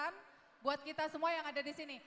jadi bisa jadi satu masukan buat kita semua yang ada di sini